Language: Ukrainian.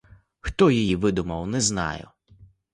Хто її видумав, не знаю.